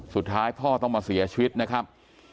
สุดท้ายพ่อต้องมาเสียชีวิตนะครับ